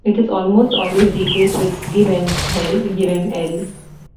It is almost always replaced with Give 'em hell, give 'em hell!